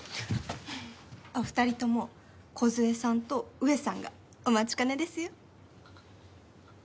お二人とも梢さんと上さんがお待ちかねですよ。